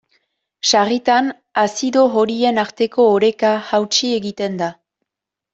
Sarritan, azido horien arteko oreka hautsi egiten da.